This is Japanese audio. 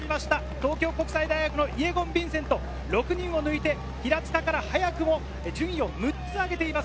東京国際大学のイェゴン・ヴィンセント、６人を抜いて、平塚から早くも順位を６つ上げています。